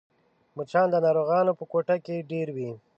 مچان د ناروغانو په کوټه کې ډېر وي